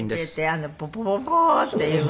あのポポポポーっていう。